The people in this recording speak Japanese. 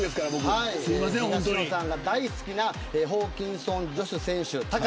東野さんが大好きなホーキンソン選手。